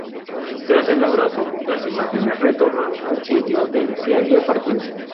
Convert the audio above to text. Tras el abrazo, las imágenes retornan al sitio del que habían partido.